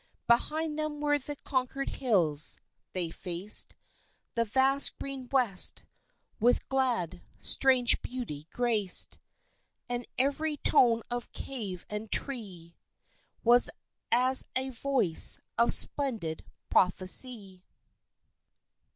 Behind them were the conquered hills they faced The vast green West, with glad, strange beauty graced; And every tone of every cave and tree Was as a voice of splendid prophecy.